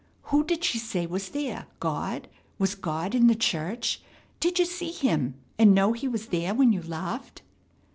Who did she say was there? God? Was God in the church? Did you see Him, and know He was there when you laughed?"